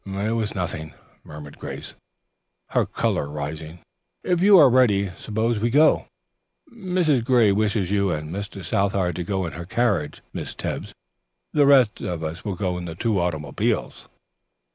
"It was nothing," murmured Grace, her color rising. "If you are ready, suppose we go. Mrs. Gray wishes you and Mr. Southard to go in her carriage, Miss Tebbs. The rest of us will go in the two automobiles."